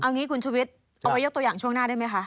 เอางี้คุณชุวิตเอาไว้ยกตัวอย่างช่วงหน้าได้ไหมคะ